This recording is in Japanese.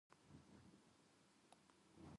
なんだこれ